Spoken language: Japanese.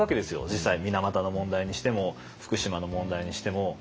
実際水俣の問題にしても福島の問題にしても。